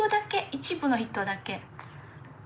一部の人だけ。